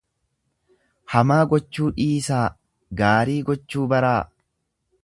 Hamaa gochuu dhiisaa, gaarii gochuu baraa!